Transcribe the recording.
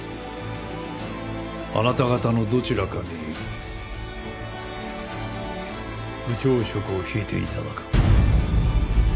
あなた方のどちらかに部長職を退いて頂く。